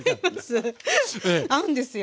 合うんですよ。